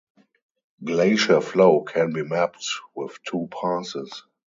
Glacier flow can be mapped with two passes.